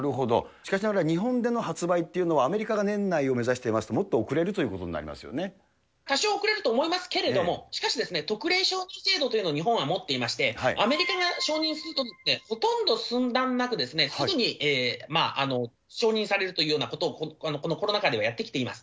しかしながら日本での発売っていうのは、アメリカが年内を目指していますと、もっと遅れるということにな多少遅れると思いますけれども、しかし、特例承認制度というのを日本は持っていまして、アメリカが承認すると、ほとんど寸断なくすぐに承認されるというようなことも、このコロナ禍ではやってきております。